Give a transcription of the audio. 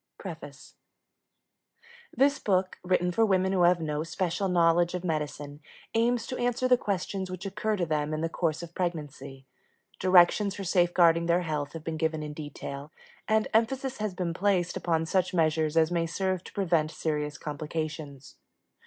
PREFACE This book, written for women who have no special knowledge of medicine, aims to answer the questions which occur to them in the course of pregnancy. Directions for safeguarding their health have been given in detail, and emphasis has been placed upon such measures as may serve to prevent serious complications.